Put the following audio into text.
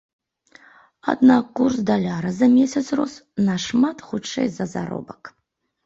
Аднак курс даляра за месяц рос нашмат хутчэй за заробак.